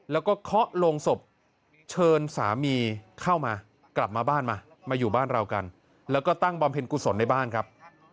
แล้วก็เคาะลงศพเชิญสามีเข้ามากลับมาบ้านมามาอยู่บ้านเรากันแล้วก็ตั้งบำเพ็ญกุศลในบ้านครับ